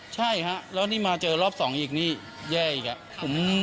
ใช่แล้วนี่มาเจอรอบ๒อีกนี่แย่อีก